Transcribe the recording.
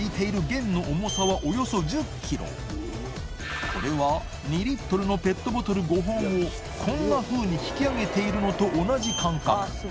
磴海譴２リットルのペットボトル５本を海鵑覆佞Δ引き上げているのと同じ感覚大島）